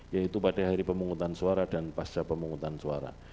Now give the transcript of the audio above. yaitu pada hari pemungutan suara dan pasca pemungutan suara